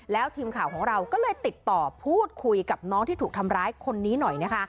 แล้วทีมข่าวของเราก็เลยติดต่อพูดคุยกับน้องที่ถูกทำร้ายคนนี้หน่อยนะคะ